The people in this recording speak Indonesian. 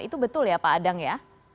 itu betul ya pak adang ya